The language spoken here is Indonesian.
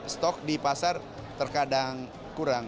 stok di pasar terkadang kurang